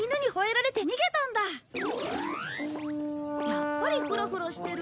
やっぱりフラフラしてる。